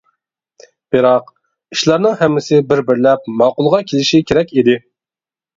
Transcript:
بىراق، ئىشلارنىڭ ھەممىسى بىر-بىرلەپ ماقۇلغا كېلىشى كېرەك ئىدى.